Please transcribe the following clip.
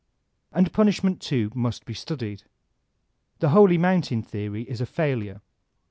And Punishment, too, must be studied. The holy mountain theory is a failure.